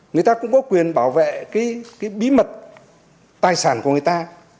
người ta cũng có quyền bảo vệ cái bí mật tài sản của người ta